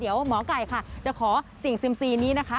เดี๋ยวหมอไก่ค่ะจะขอสิ่งเซียมซีนี้นะคะ